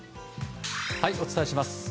お伝えします。